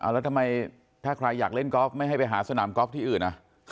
แล้วทำไมถ้าใครอยากเล่นกอล์ฟไม่ให้ไปหาสนามกอล์ฟที่อื่น